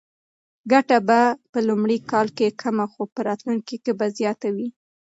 ګټه به په لومړي کال کې کمه خو په راتلونکي کې به زیاته وي.